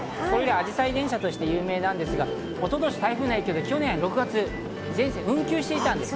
あじさい電車として有名なんですが、一昨年台風の影響で去年６月、運休していたんです。